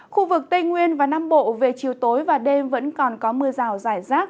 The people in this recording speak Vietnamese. khu vực tây nguyên và nam bộ về chiều tối và đêm vẫn còn có mưa rào rải rác